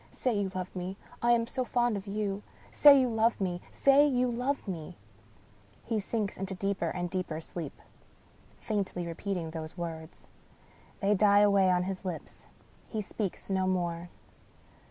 " Say you love me ! I am so fond of you. Say you love me ! say you love me I " He sinks into deeper and deeper sleep, faintly repeating those words. They die away on his lips. He speaks no more.